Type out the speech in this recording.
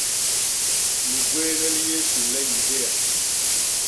Ligwééne li Yésu le Yudéa.